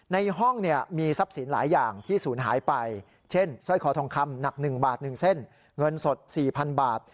ในห้องมีทรัพย์สินหลายอย่างที่ศูนย์หายไปเช่นสร้อยคอทองคำหนัก๑บาท๑เส้นเงินสด๔๐๐๐บาท